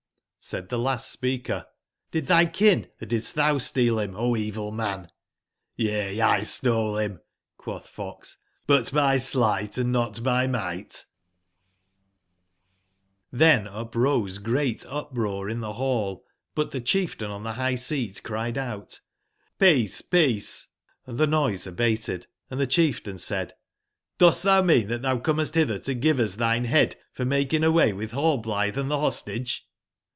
Said tbe last speaker:'* Did tby kin or didst tbou steal bim, O evil man T' J9 '* Y^^^^^ QXoXa bim/' quotb fox, '' but by sleigbt, and not by migbt/' nSJV uprose great uproar in tbe ball, but tbe cbief tain on tbe bigb/seat cried out: ''peace, a peace! "and tbe noise abated, & tbe cbief tain said : "Dost tbou mean tbat tbou comest bitber to give us tbine bead for making away witb Rallblitbc & tbe Hostage